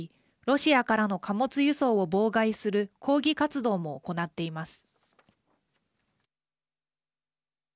ロシアからの貨物輸送を妨害する抗議活動も行っています。